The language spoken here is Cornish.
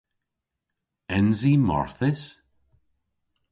Ens i marthys?